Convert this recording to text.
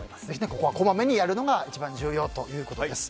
ここはこまめにやるのが一番重要ということです。